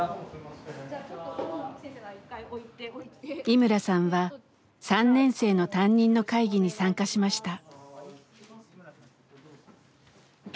井村さんは３年生の担任の会議に参加しました。